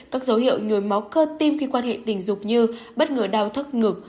các dấu hiệu nhồi máu cơ tim khi quan hệ tình dục như bất ngờ đau thắt ngực